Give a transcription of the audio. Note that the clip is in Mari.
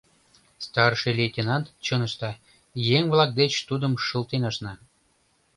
Старший лейтенант чын ышта, еҥ-влак деч тудым шылтен ашна.